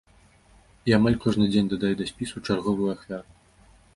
І амаль кожны дзень дадае да спісу чарговую ахвяру.